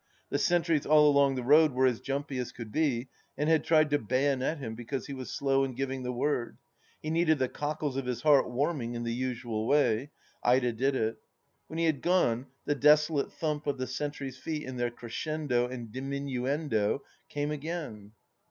The sentries all along the road were as jumpy as could be, and had tried to bayonet him because he was slow in giving the word. ... He needed the cockles of his heart wamiing in the usual way. Ida did it. When he had gone the desolate thump of the sentry's feet in thek crescendo and diminuendo came again.